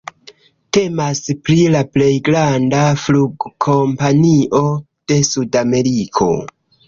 Temas pri la plej granda flugkompanio de Sudameriko.